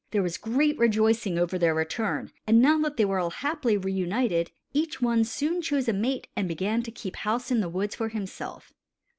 There was great rejoicing over their return, and now that they were all happily reunited, each one soon chose a mate and began to keep house in the woods for himself.